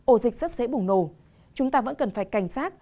ổ dịch rất dễ bùng nổ chúng ta vẫn cần phải cảnh giác